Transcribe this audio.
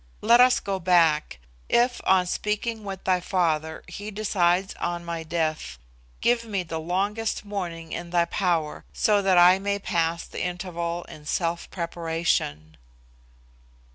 Let us go back. If, on speaking with thy father, he decides on my death, give me the longest warning in thy power, so that I may pass the interval in self preparation."